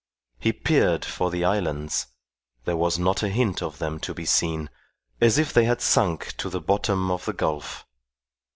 He peered for the islands. There was not a hint of them to be seen, as if they had sunk to the bottom of the gulf.